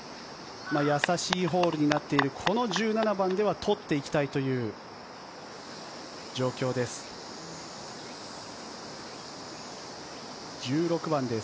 易しいホールになっているこの１７番では取っていきたいという状況です。